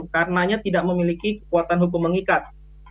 karenanya tidak memiliki kekuatan hukum mengikat